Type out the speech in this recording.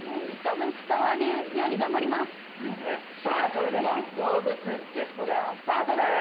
それでは動物ジェスチャースタートです！